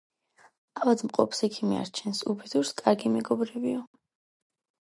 ავადმყოფს ექიმი არჩენს, უბედურს კარგი მეგობარიო